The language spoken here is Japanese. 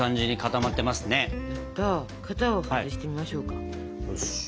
やった型を外してみましょうか。